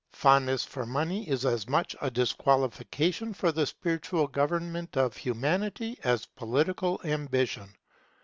Fondness for money is as much a disqualification for the spiritual government of Humanity, as political ambition.